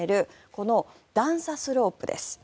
この段差スロープです。